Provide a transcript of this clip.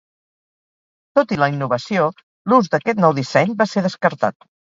Tot i la innovació l'ús d'aquest nou disseny va ser descartat.